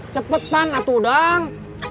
cepetan atuh dang